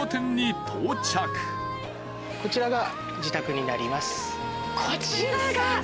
こちらが。